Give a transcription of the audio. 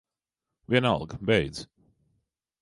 Vienalga. Beidz.